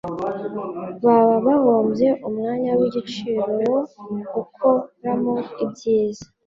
baba bahombye umwanya w'igiciro wo gukoramo ibyiza.